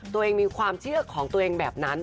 ตัวเองมีความเชื่อของตัวเองแบบนั้น